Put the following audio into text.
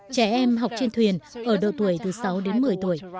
trẻ em học trên thuyền ở độ tuổi từ sáu đến một mươi tuổi